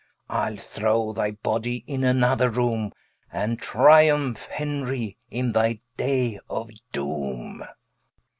Ile throw thy body in another roome, And Triumph Henry, in thy day of Doome.